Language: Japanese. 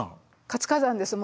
活火山です